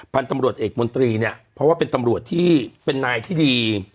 พันธุ์ตำรวจเอกมนตรีเนี่ยเพราะว่าเป็นตำรวจที่เป็นนายที่ดี